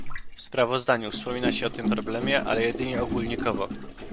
W sprawozdaniu wspomina się o tym problemie, ale jedynie ogólnikowo